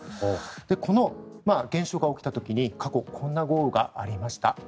この現象が起きた時に過去、こんな豪雨がありました。